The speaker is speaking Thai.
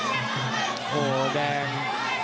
โอ้โหแดง